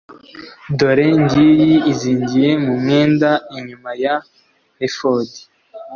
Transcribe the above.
dore ngiyi izingiye mu mwenda inyuma ya efodi.